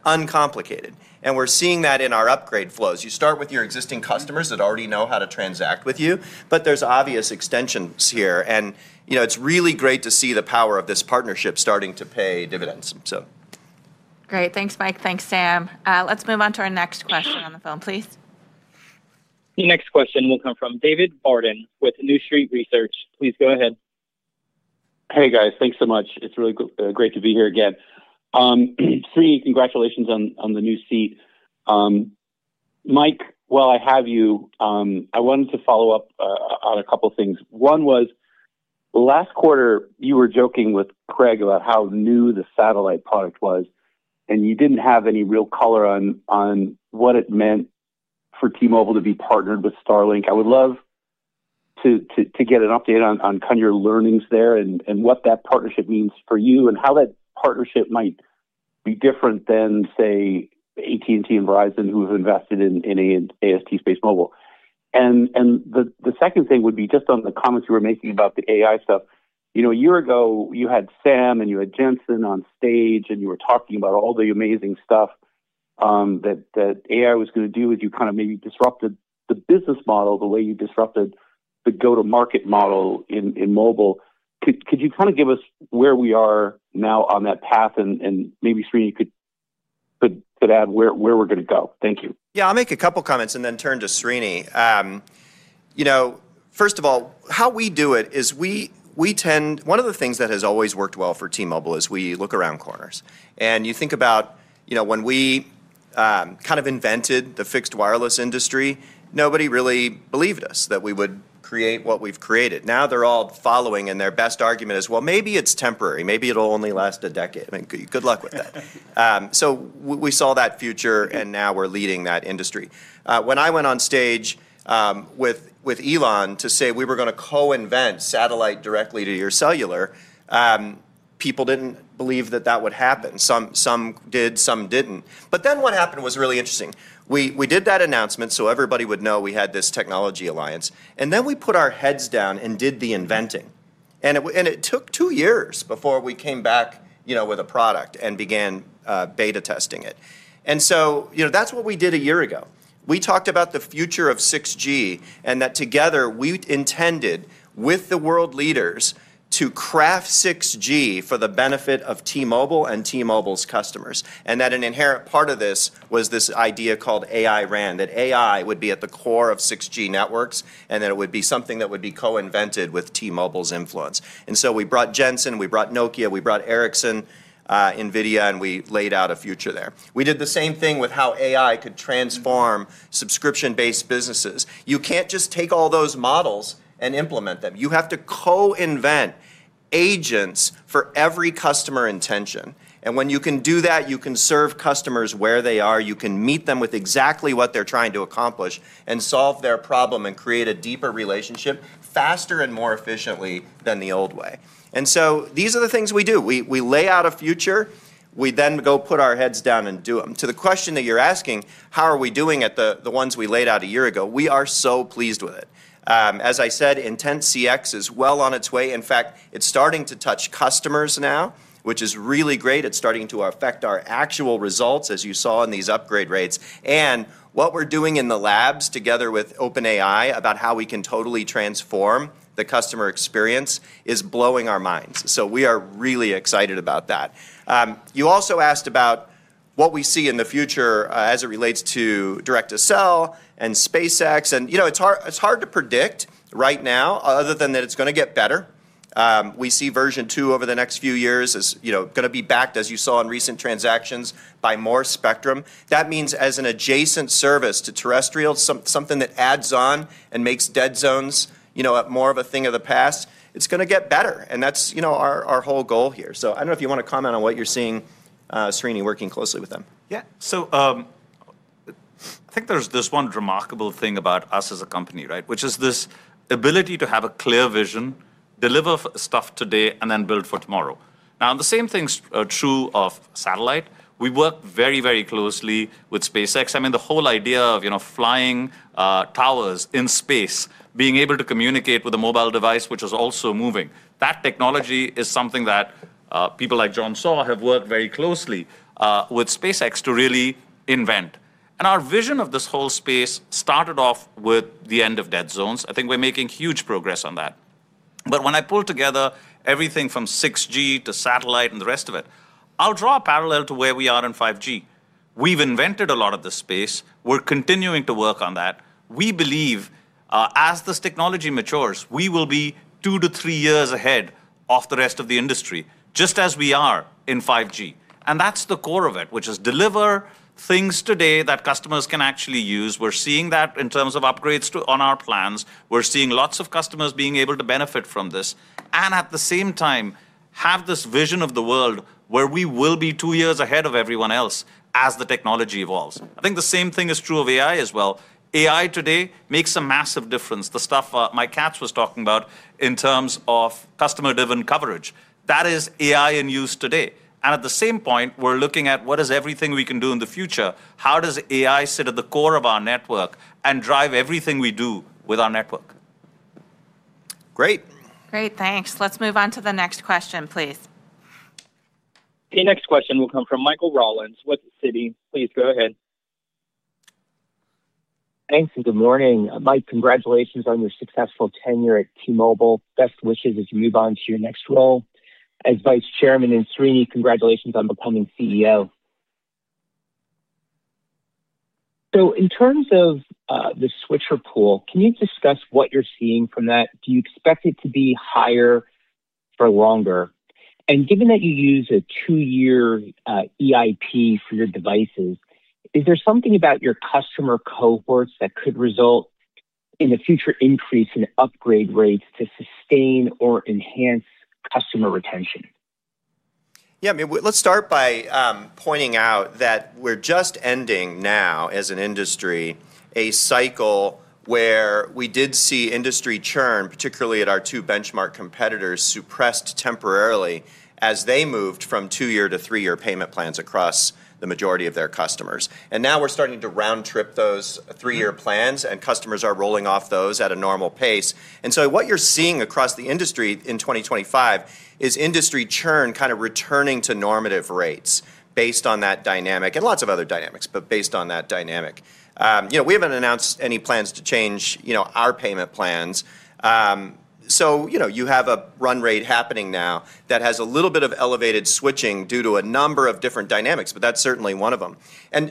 uncomplicated. We're seeing that in our upgrade flows. You start with your existing customers that already know how to transact with you. There's obvious extensions here. It's really great to see the power of this partnership starting to pay dividends. Great. Thanks, Mike. Thanks, Sam. Let's move on to our next question on the phone, please. The next question will come from David Barden with New Street Research. Please go ahead. Hey, guys. Thanks so much. It's really great to be here again. Srini, congratulations on the new seat. Mike, while I have you, I wanted to follow up on a couple of things. One was last quarter, you were joking with Craig about how new the satellite product was, and you didn't have any real color on what it meant for T-Mobile to be partnered with Starlink. I would love to get an update on kind of your learnings there and what that partnership means for you and how that partnership might be different than, say, AT&T and Verizon, who have invested in AST SpaceMobile. The second thing would be just on the comments you were making about the AI stuff. A year ago, you had Sam and you had Jensen on stage, and you were talking about all the amazing stuff that AI was going to do. You kind of maybe disrupted the business model the way you disrupted the Go-to-Market model in mobile. Could you kind of give us where we are now on that path? Maybe Srini could add where we're going to go. Thank you. Yeah, I'll make a couple of comments and then turn to Srini. First of all, how we do it is we tend—one of the things that has always worked well for T-Mobile is we look around corners. You think about when we kind of invented the fixed wireless industry, nobody really believed us that we would create what we've created. Now they're all following, and their best argument is, maybe it's temporary. Maybe it'll only last a decade. Good luck with that. We saw that future, and now we're leading that industry. When I went on stage with Elon to say we were going to co-invent satellite directly to your cellular, people didn't believe that that would happen. Some did, some didn't. What happened was really interesting. We did that announcement so everybody would know we had this technology alliance. We put our heads down and did the inventing. It took two years before we came back with a product and began beta testing it. That's what we did a year ago. We talked about the future of 6G and that together we intended with the world leaders to craft 6G for the benefit of T-Mobile and T-Mobile's customers. An inherent part of this was this idea called AI-RAN, that AI would be at the core of 6G networks and that it would be something that would be co-invented with T-Mobile's influence. We brought Jensen, we brought Nokia, we brought Ericsson, NVIDIA, and we laid out a future there. We did the same thing with how AI could transform subscription-based businesses. You can't just take all those models and implement them. You have to co-invent agents for every customer intention. When you can do that, you can serve customers where they are. You can meet them with exactly what they're trying to accomplish and solve their problem and create a deeper relationship faster and more efficiently than the old way. These are the things we do. We lay out a future. We then go put our heads down and do them. To the question that you're asking, how are we doing at the ones we laid out a year ago? We are so pleased with it. As I said, IntentCX is well on its way. In fact, it's starting to touch customers now, which is really great. It's starting to affect our actual results, as you saw in these upgrade rates. What we're doing in the labs together with OpenAI about how we can totally transform the customer experience is blowing our minds. We are really excited about that. You also asked about what we see in the future as it relates to Direct to Cell satellite and SpaceX. You know, it's hard to predict right now, other than that it's going to get better. We see version two over the next few years is going to be backed, as you saw in recent transactions, by more spectrum. That means as an adjacent service to terrestrial, something that adds on and makes dead zones more of a thing of the past, it's going to get better. That's our whole goal here. I don't know if you want to comment on what you're seeing, Srini, working closely with them. Yeah, I think there's this one remarkable thing about us as a company, right, which is this ability to have a clear vision, deliver stuff today, and then build for tomorrow. The same thing is true of satellite. We work very, very closely with SpaceX. I mean, the whole idea of flying towers in space, being able to communicate with a mobile device, which is also moving, that technology is something that people like John Saw have worked very closely with SpaceX to really invent. Our vision of this whole space started off with the end of dead zones. I think we're making huge progress on that. When I pull together everything from 6G to satellite and the rest of it, I'll draw a parallel to where we are in 5G. We've invented a lot of this space. We're continuing to work on that. We believe as this technology matures, we will be two to three years ahead of the rest of the industry, just as we are in 5G. That's the core of it, which is deliver things today that customers can actually use. We're seeing that in terms of upgrades on our plans. We're seeing lots of customers being able to benefit from this. At the same time, we have this vision of the world where we will be two years ahead of everyone else as the technology evolves. I think the same thing is true of AI as well. AI today makes a massive difference, the stuff Mike Katz was talking about in terms of customer-driven coverage. That is AI in use today. At the same point, we're looking at what is everything we can do in the future. How does AI sit at the core of our network and drive everything we do with our network? Great. Great, thanks. Let's move on to the next question, please. The next question will come from Michael Rollins with Citi. Please go ahead. Thanks, and good morning. Mike, congratulations on your successful tenure at T-Mobile. Best wishes as you move on to your next role as Vice Chairman. Srini, congratulations on becoming CEO. In terms of the switcher pool, can you discuss what you're seeing from that? Do you expect it to be higher for longer? Given that you use a two-year EIP for your devices, is there something about your customer cohorts that could result in a future increase in upgrade rates to sustain or enhance customer retention? Yeah, I mean, let's start by pointing out that we're just ending now as an industry a cycle where we did see industry churn, particularly at our two benchmark competitors, suppressed temporarily as they moved from two-year to three-year payment plans across the majority of their customers. Now we're starting to round-trip those three-year plans, and customers are rolling off those at a normal pace. What you're seeing across the industry in 2025 is industry churn kind of returning to normative rates based on that dynamic and lots of other dynamics, but based on that dynamic. We haven't announced any plans to change our payment plans. You have a run rate happening now that has a little bit of elevated switching due to a number of different dynamics, but that's certainly one of them.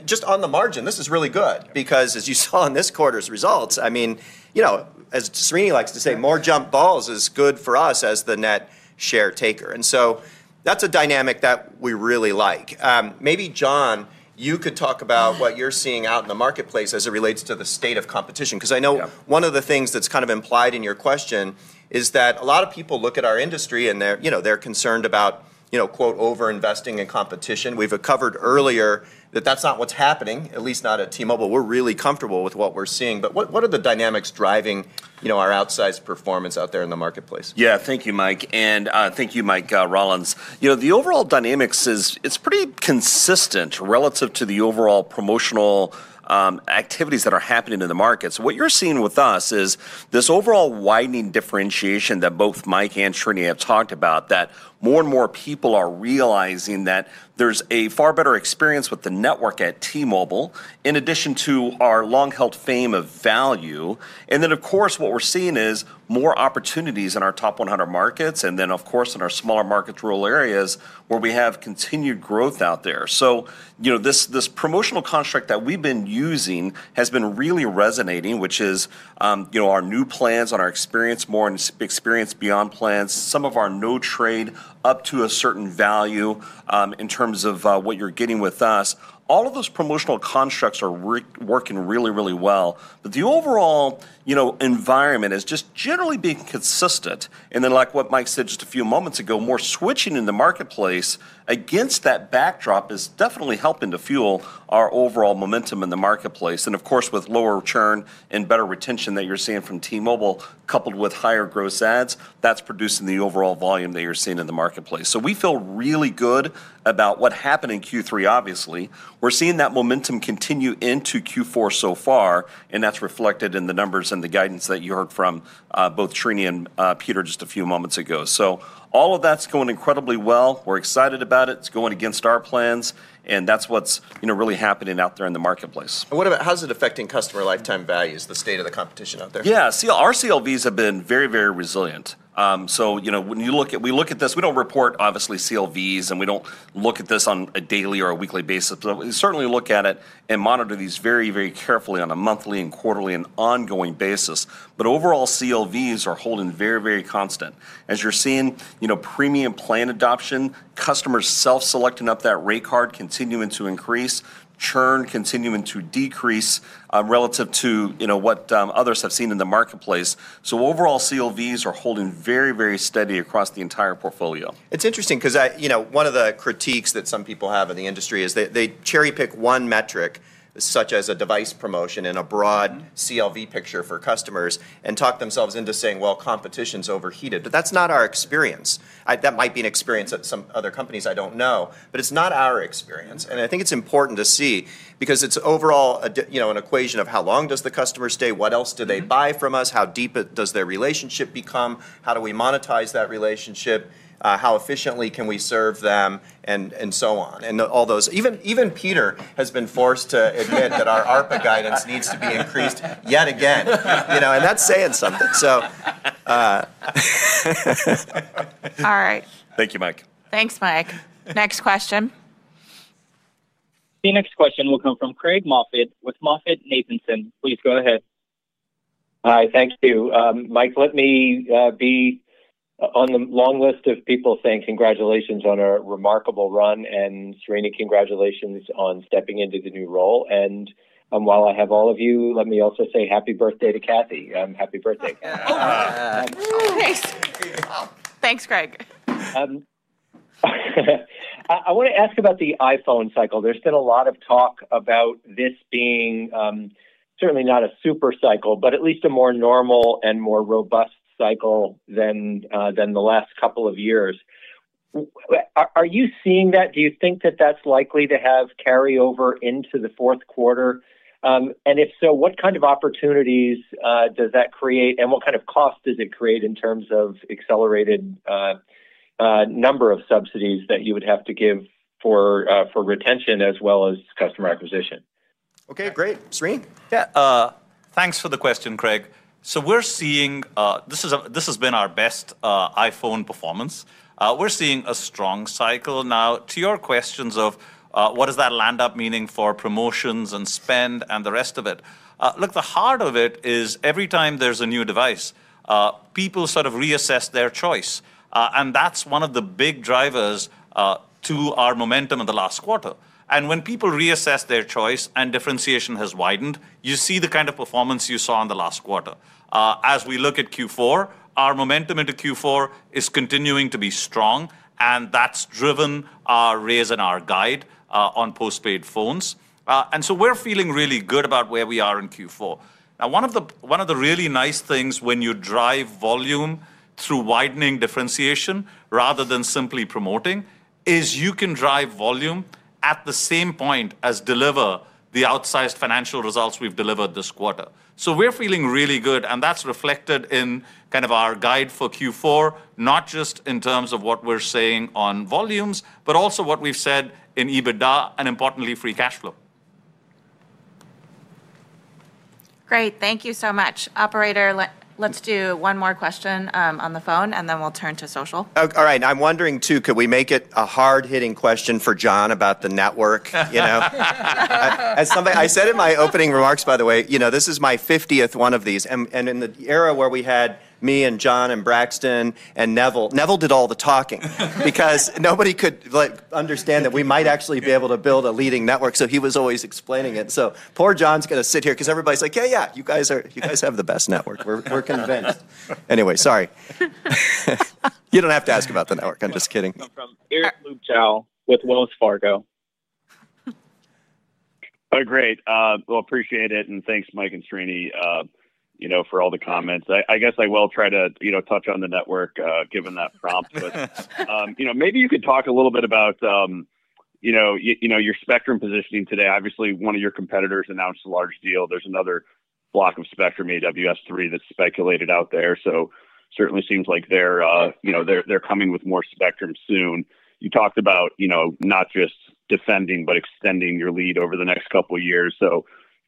Just on the margin, this is really good because as you saw in this quarter's results, I mean, as Srini likes to say, more jump balls is good for us as the net share taker. That's a dynamic that we really like. Maybe, John, you could talk about what you're seeing out in the marketplace as it relates to the state of competition. I know one of the things that's kind of implied in your question is that a lot of people look at our industry, and they're concerned about, quote, "overinvesting in competition." We've covered earlier that that's not what's happening, at least not at T-Mobile. We're really comfortable with what we're seeing. What are the dynamics driving our outsized performance out there in the marketplace? Thank you, Mike. Thank you, Mike Rollins. The overall dynamics is it's pretty consistent relative to the overall promotional activities that are happening in the markets. What you're seeing with us is this overall widening differentiation that both Mike and Srini have talked about, that more and more people are realizing that there's a far better experience with the network at T-Mobile in addition to our long-held fame of value. Of course, what we're seeing is more opportunities in our top 100 markets and in our smaller markets, rural areas where we have continued growth out there. This promotional construct that we've been using has been really resonating, which is our new plans on our experience, more experience beyond plans, some of our no trade up to a certain value in terms of what you're getting with us. All of those promotional constructs are working really, really well. The overall environment is just generally being consistent. Like what Mike said just a few moments ago, more switching in the marketplace against that backdrop is definitely helping to fuel our overall momentum in the marketplace. With lower churn and better retention that you're seeing from T-Mobile, coupled with higher gross ads, that's producing the overall volume that you're seeing in the marketplace. We feel really good about what happened in Q3, obviously. We're seeing that momentum continue into Q4 so far. That's reflected in the numbers and the guidance that you heard from both Srini and Peter just a few moments ago. All of that's going incredibly well. We're excited about it. It's going against our plans. That's what's really happening out there in the marketplace. How is it affecting customer lifetime values, the state of the competition out there? Yeah, see, our CLVs have been very, very resilient. When we look at this, we don't report, obviously, CLVs. We don't look at this on a daily or a weekly basis. We certainly look at it and monitor these very, very carefully on a monthly and quarterly and ongoing basis. Overall, CLVs are holding very, very constant. As you're seeing, premium plan adoption, customers self-selecting up that rate card, continuing to increase, churn continuing to decrease relative to what others have seen in the marketplace. Overall, CLVs are holding very, very steady across the entire portfolio. It's interesting because one of the critiques that some people have in the industry is they cherry-pick one metric, such as a device promotion and a broad CLV picture for customers, and talk themselves into saying competition's overheated. That's not our experience. That might be an experience at some other companies, I don't know, but it's not our experience. I think it's important to see because it's overall an equation of how long does the customer stay, what else do they buy from us, how deep does their relationship become, how do we monetize that relationship, how efficiently can we serve them, and so on. All those, even Peter has been forced to admit that our ARPA guidance needs to be increased yet again. That's saying something. All right. Thank you, Mike. Thanks, Mike. Next question. The next question will come from Craig Moffett with MoffettNathanson. Please go ahead. Hi, thank you. Mike, let me be on the long list of people saying congratulations on a remarkable run. Srini, congratulations on stepping into the new role. While I have all of you, let me also say happy birthday to Cathy. Happy birthday. Oh, nice. Thanks, Craig. I want to ask about the iPhone cycle. There's been a lot of talk about this being certainly not a super cycle, but at least a more normal and more robust cycle than the last couple of years. Are you seeing that? Do you think that that's likely to have carryover into the fourth quarter? If so, what kind of opportunities does that create? What kind of cost does it create in terms of accelerated number of subsidies that you would have to give for retention as well as customer acquisition? OK, great. Srini? Yeah. Thanks for the question, Craig. We're seeing this has been our best iPhone performance. We're seeing a strong cycle now to your questions of what does that land up meaning for promotions and spend and the rest of it. Look, the heart of it is every time there's a new device, people sort of reassess their choice. That's one of the big drivers to our momentum in the last quarter. When people reassess their choice and differentiation has widened, you see the kind of performance you saw in the last quarter. As we look at Q4, our momentum into Q4 is continuing to be strong. That's driven our raise in our guide on postpaid phones. We're feeling really good about where we are in Q4. One of the really nice things when you drive volume through widening differentiation rather than simply promoting is you can drive volume at the same point as deliver the outsized financial results we've delivered this quarter. We're feeling really good. That's reflected in kind of our guide for Q4, not just in terms of what we're saying on volumes, but also what we've said in EBITDA and importantly, free cash flow. Great. Thank you so much. Operator, let's do one more question on the phone, and then we'll turn to social. All right. I'm wondering, too, could we make it a hard-hitting question for John about the network? I said in my opening remarks, by the way, this is my 50th one of these. In the era where we had me and John and Braxton and Neville, Neville did all the talking because nobody could understand that we might actually be able to build a leading network. He was always explaining it. Poor John's going to sit here because everybody's like, yeah, yeah, you guys have the best network. We're convinced. Anyway, sorry. You don't have to ask about the network. I'm just kidding. Appreciate it, and thanks, Mike and Srini, for all the comments. I guess I will try to touch on the network given that prompt. Maybe you could talk a little bit about your spectrum positioning today. Obviously, one of your competitors announced a large deal. There's another block of spectrum, AWS-3, that's speculated out there. It certainly seems like they're coming with more spectrum soon. You talked about not just defending, but extending your lead over the next couple of years. Could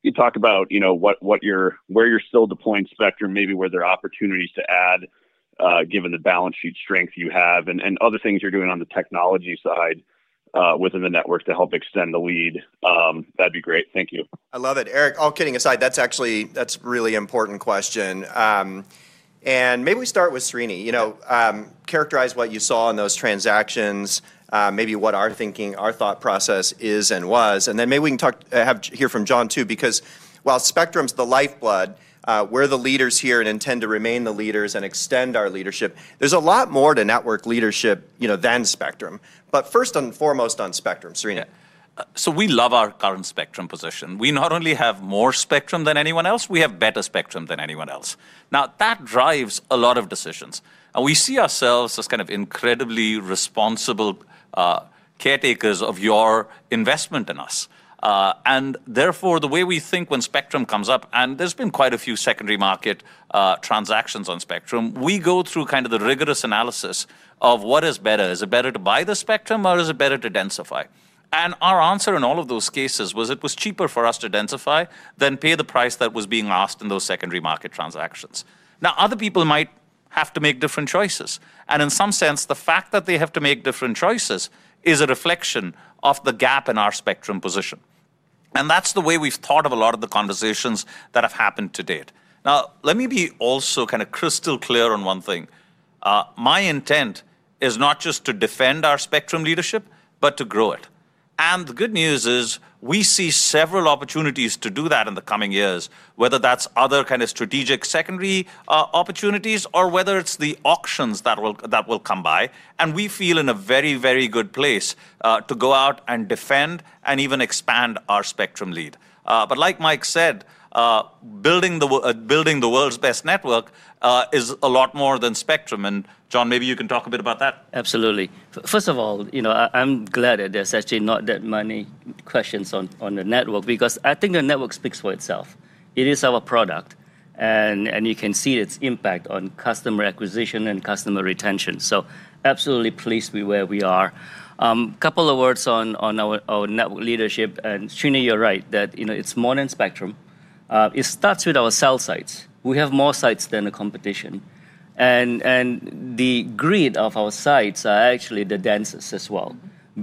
you talk about where you're still deploying spectrum, maybe where there are opportunities to add given the balance sheet strength you have and other things you're doing on the technology side within the network to help extend the lead? That'd be great. Thank you. I love it. Eric, all kidding aside, that's actually a really important question. Maybe we start with Srini. Characterize what you saw in those transactions, maybe what our thinking, our thought process is and was. Maybe we can hear from John, too, because while spectrum's the lifeblood, we're the leaders here and intend to remain the leaders and extend our leadership. There's a lot more to network leadership than spectrum. First and foremost on spectrum, Srini. We love our current spectrum position. We not only have more spectrum than anyone else, we have better spectrum than anyone else. That drives a lot of decisions. We see ourselves as incredibly responsible caretakers of your investment in us. Therefore, the way we think when spectrum comes up, and there's been quite a few secondary market transactions on spectrum, we go through the rigorous analysis of what is better. Is it better to buy the spectrum, or is it better to densify? Our answer in all of those cases was it was cheaper for us to densify than pay the price that was being asked in those secondary market transactions. Other people might have to make different choices. In some sense, the fact that they have to make different choices is a reflection of the gap in our spectrum position. That's the way we've thought of a lot of the conversations that have happened to date. Let me be crystal clear on one thing. My intent is not just to defend our spectrum leadership, but to grow it. The good news is we see several opportunities to do that in the coming years, whether that's other strategic secondary opportunities or whether it's the auctions that will come by. We feel in a very, very good place to go out and defend and even expand our spectrum lead. Like Mike said, building the world's best network is a lot more than spectrum. John, maybe you can talk a bit about that. Absolutely. First of all, I'm glad that there's actually not that many questions on the network because I think the network speaks for itself. It is our product, and you can see its impact on customer acquisition and customer retention. Absolutely pleased to be where we are. A couple of words on our network leadership. Srini, you're right that it's more than spectrum. It starts with our cell sites. We have more sites than the competition, and the grid of our sites is actually the densest as well,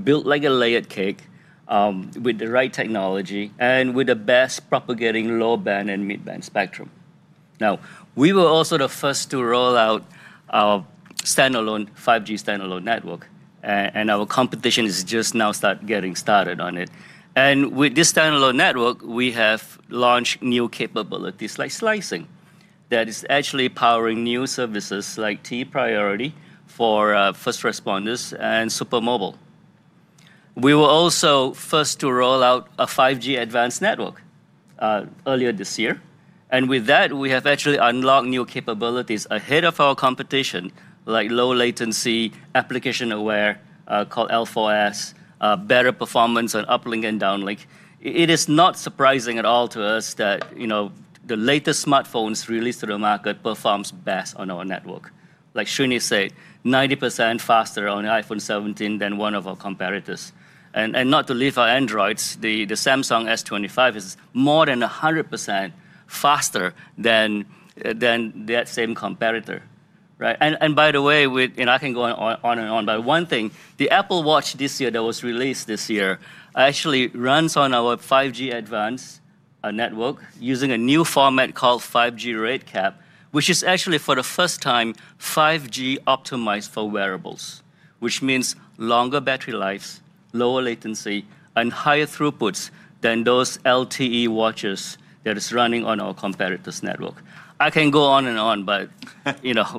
built like a layered cake with the right technology and with the best propagating low band and mid band spectrum. We were also the first to roll out our standalone 5G standalone network, and our competition has just now started getting started on it. With this standalone network, we have launched new capabilities like slicing that is actually powering new services like T-Priority for first responders and SuperMobile. We were also first to roll out a 5G Advanced network earlier this year, and with that, we have actually unlocked new capabilities ahead of our competition, like low latency application-aware called L4S, better performance on uplink and downlink. It is not surprising at all to us that the latest smartphones released to the market perform best on our network. Like Srini said, 90% faster on iPhone 17 than one of our competitors. Not to leave our Androids, the Samsung S25 is more than 100% faster than that same competitor. By the way, I can go on and on, but one thing, the Apple Watch that was released this year actually runs on our 5G Advanced network using a new format called 5G RedCap, which is actually for the first time 5G optimized for wearables, which means longer battery lives, lower latency, and higher throughputs than those LTE watches that are running on our competitors' network. I can go on and on, but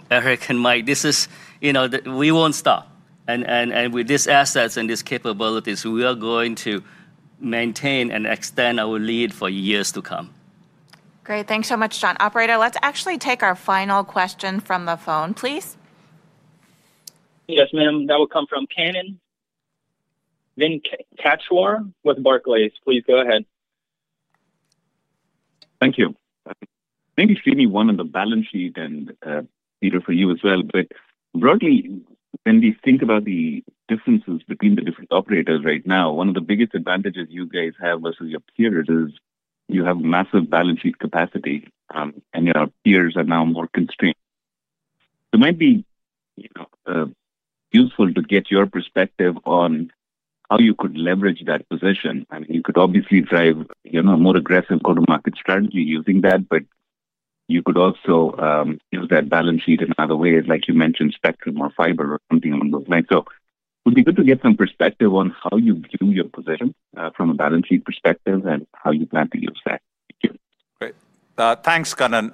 Eric and Mike, we won't stop. With these assets and these capabilities, we are going to maintain and extend our lead for years to come. Great. Thanks so much, John. Operator, let's actually take our final question from the phone, please. Yes, ma'am. That will come from Kannan Venkateshwar with Barclays. Please go ahead. Thank you. Maybe Srini, one on the balance sheet and Peter, for you as well. Broadly, when we think about the differences between the different operators right now, one of the biggest advantages you guys have versus your peers is you have massive balance sheet capacity, and your peers are now more constrained. It might be useful to get your perspective on how you could leverage that position. I mean, you could obviously drive a more aggressive go-to-market strategy using that, but you could also use that balance sheet in other ways, like you mentioned, spectrum or fiber or something along those lines. It would be good to get some perspective on how you view your position from a balance sheet perspective and how you plan to use that. Great. Thanks, Kannan.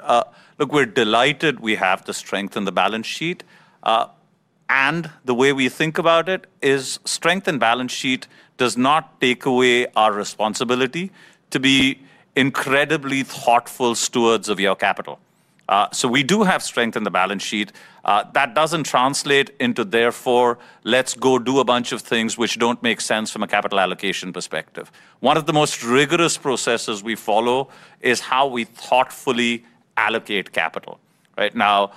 Look, we're delighted we have the strength in the balance sheet. The way we think about it is strength in balance sheet does not take away our responsibility to be incredibly thoughtful stewards of your capital. We do have strength in the balance sheet. That doesn't translate into therefore, let's go do a bunch of things which don't make sense from a capital allocation perspective. One of the most rigorous processes we follow is how we thoughtfully allocate capital. Now,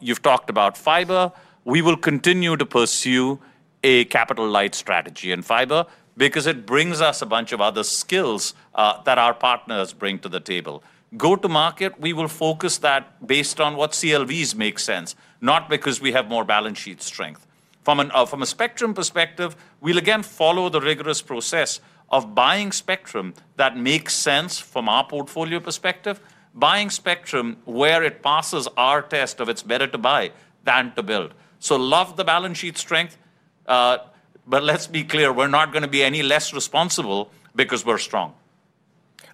you've talked about fiber. We will continue to pursue a capital light strategy in fiber because it brings us a bunch of other skills that our partners bring to the table. Go to market, we will focus that based on what CLVs make sense, not because we have more balance sheet strength. From a spectrum perspective, we'll again follow the rigorous process of buying spectrum that makes sense from our portfolio perspective, buying spectrum where it passes our test of it's better to buy than to build. Love the balance sheet strength. Let's be clear, we're not going to be any less responsible because we're strong.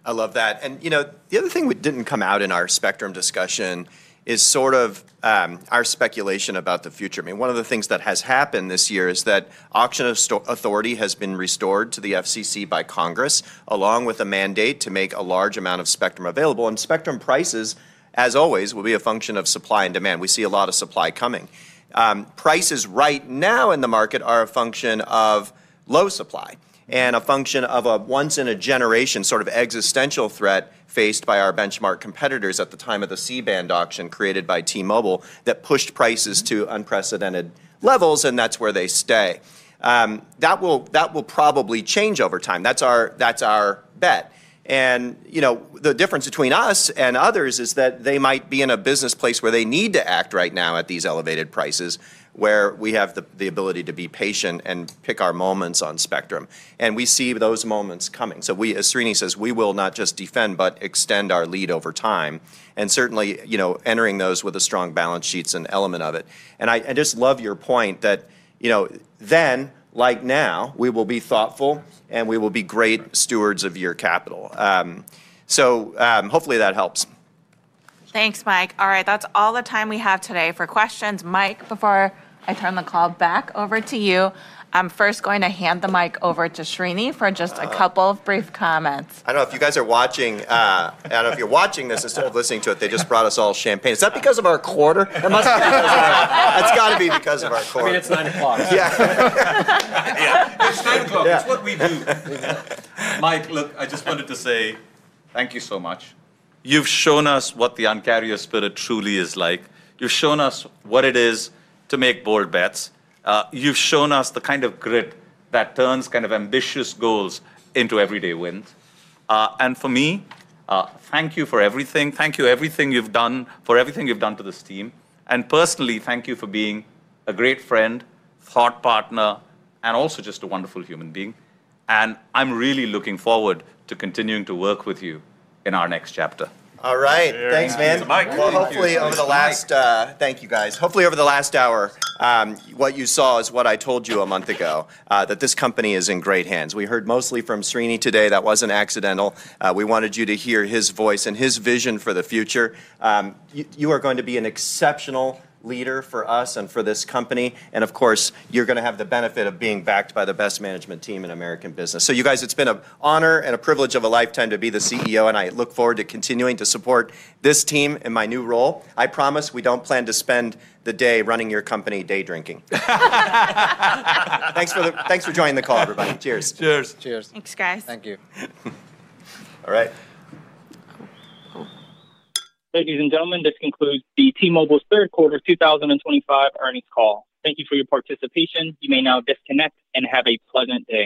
I love that. The other thing that didn't come out in our spectrum discussion is sort of our speculation about the future. One of the things that has happened this year is that auction authority has been restored to the FCC by Congress, along with a mandate to make a large amount of spectrum available. Spectrum prices, as always, will be a function of supply and demand. We see a lot of supply coming. Prices right now in the market are a function of low supply and a function of a once-in-a-generation sort of existential threat faced by our benchmark competitors at the time of the C-band auction created by T-Mobile that pushed prices to unprecedented levels, and that's where they stay. That will probably change over time. That's our bet. The difference between us and others is that they might be in a business place where they need to act right now at these elevated prices, where we have the ability to be patient and pick our moments on spectrum. We see those moments coming. As Srini says, we will not just defend, but extend our lead over time and certainly entering those with a strong balance sheet element of it. I just love your point that then, like now, we will be thoughtful and we will be great stewards of your capital. Hopefully that helps. Thanks, Mike. All right, that's all the time we have today for questions. Mike, before I turn the call back over to you, I'm first going to hand the mic over to Srini for just a couple of brief comments. I don't know if you guys are watching. I don't know if you're watching this instead of listening to it. They just brought us all champagne. Is that because of our quarter? It must be because of our quarter. It's got to be because of our quarter. I mean, it's 9:00. Yeah, it's 9:00. It's what we do. Mike, look, I just wanted to say thank you so much. You've shown us what the Un-carrier spirit truly is like. You've shown us what it is to make bold bets. You've shown us the kind of grit that turns kind of ambitious goals into everyday wins. For me, thank you for everything. Thank you for everything you've done, for everything you've done to this team. Personally, thank you for being a great friend, thought partner, and also just a wonderful human being. I'm really looking forward to continuing to work with you in our next chapter. All right. Thanks, man. Thank you, guys. Hopefully over the last hour, what you saw is what I told you a month ago, that this company is in great hands. We heard mostly from Srini today. That wasn't accidental. We wanted you to hear his voice and his vision for the future. You are going to be an exceptional leader for us and for this company. Of course, you're going to have the benefit of being backed by the best management team in American business. You guys, it's been an honor and a privilege of a lifetime to be the CEO. I look forward to continuing to support this team in my new role. I promise we don't plan to spend the day running your company day drinking. Thanks for joining the call, everybody. Cheers. Cheers. Cheers. Thanks, guys. Thank you. All right. Ladies and gentlemen, this concludes T-Mobile's third quarter 2025 earnings call. Thank you for your participation. You may now disconnect and have a pleasant day.